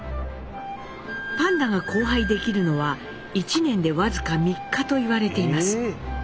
パンダが交配できるのは「１年で僅か３日」といわれています。